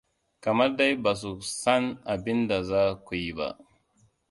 Kamar dai ba ku san abin da za ku yi ba.